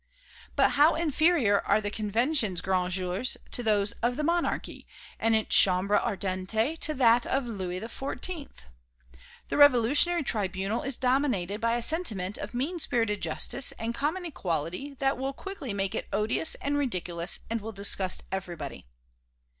But how inferior are the Convention's Grands Jours to those of the Monarchy, and its Chambre Ardente to that of Louis XIV! The Revolutionary Tribunal is dominated by a sentiment of mean spirited justice and common equality that will quickly make it odious and ridiculous and will disgust everybody.